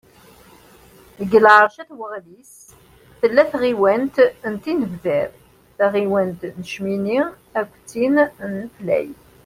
Deg lεerc n At Waɣlis, tella tɣiwant n Tinebdar, taɣiwant n Cmini, akked tin n Leflay.